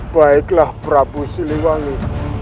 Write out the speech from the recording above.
baiklah prabu siliwangi